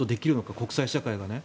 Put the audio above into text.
国際社会がね。